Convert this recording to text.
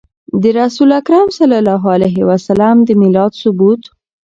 د رسول اکرم صلی الله عليه وسلم د ميلاد ثبوت